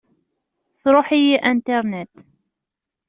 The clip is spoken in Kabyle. Tṛuḥ-iyi Internet.